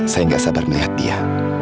saya gak sabar melihat dia